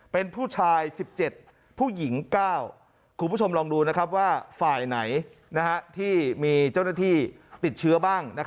เป็นผู้ชาย๑๗ผู้หญิง๙คุณผู้ชมลองดูว่าฝ่ายไหนที่มีเจ้าหน้าที่ติดเชื้อบ้าง